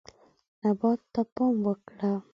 نبات ته پام وکړه.